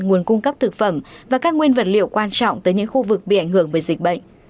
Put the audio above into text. nguồn cung cấp thực phẩm và các nguyên vật liệu quan trọng tới những khu vực bị ảnh hưởng bởi dịch bệnh